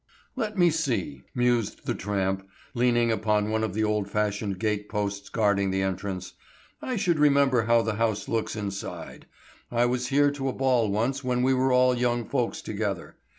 "Let me see," mused the tramp, leaning upon one of the old fashioned gate posts guarding the entrance, "I should remember how the house looks inside; I was here to a ball once when we were all young folks together.